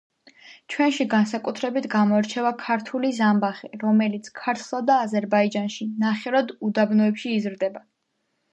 ჩვენში განსაკუთრებით გამოირჩევა ქართული ზამბახი, რომელიც ქართლსა და აზერბაიჯანში ნახევრად უდაბნოებში იზრდება.